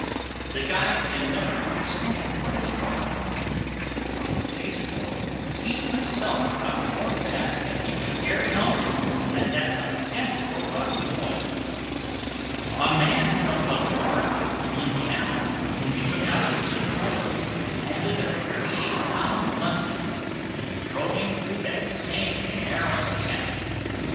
The guide can never understand what is wrong. Five days ago, he himself caught more bass than he could carry home, at that identical rocky point. A man from La Porte, Indiana, whom he took out the week before, landed a thirty eight pound "muskie" in trolling through that same narrow channel.